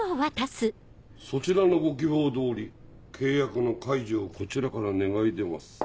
「そちらのご希望通り契約の解除をこちらから願い出ます。